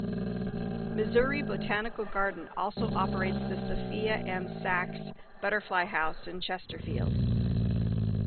Missouri Botanical Garden also operates the Sophia M. Sachs Butterfly House in Chesterfield.